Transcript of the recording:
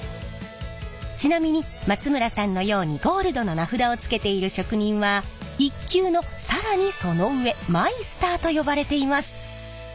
ちなみに松村さんのようにゴールドの名札をつけている職人は１級の更にその上マイスターと呼ばれています。